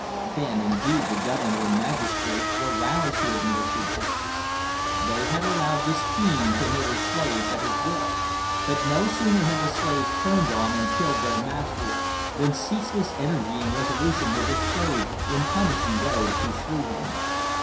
Then, indeed, the Governor and Magistrates were roused to administer "justice!" They had allowed this fiend to murder slaves at his will, but no sooner had the slaves turned on and killed their master than ceaseless energy and resolution were displayed in punishing those who slew him.